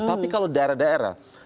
tapi kalau daerah daerah